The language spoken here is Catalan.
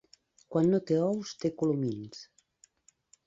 Quan no té ous, té colomins.